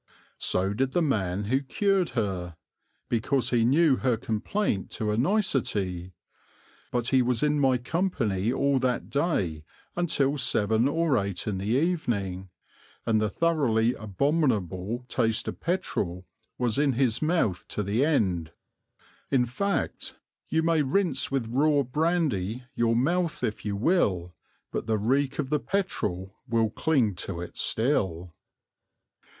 So did the man who cured her, because he knew her complaint to a nicety; but he was in my company all that day until seven or eight in the evening and the thoroughly abominable taste of petrol was in his mouth to the end. In fact You may rinse with raw brandy your mouth if you will, But the reek of the petrol will cling to it still.